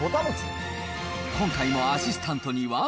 今回もアシスタントには。